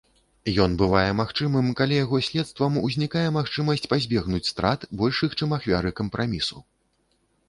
Ён бывае магчымым, калі яго следствам узнікае магчымасць пазбегнуць страт большых, чым ахвяры кампрамісу.